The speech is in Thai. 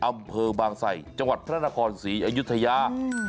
อำเภอบางไสจังหวัดพระนครศรีอยุธยา